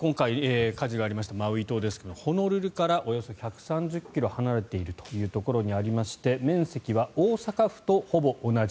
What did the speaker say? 火事がありましたマウイ島ですがホノルルから１３０ｋｍ離れたところにありまして面積は大阪府とほぼ同じ。